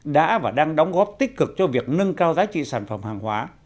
đã và đang đóng góp tích cực cho việc nâng cao giá trị sản phẩm hàng hóa